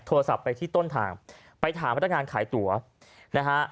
โทรศัพท์ไปที่ต้นทางไปถามพนักงานขายตั๋วนะฮะ